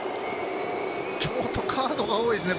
ちょっとカードが多いですね